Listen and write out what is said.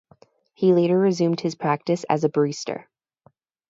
He later resumed his practice as a barrister.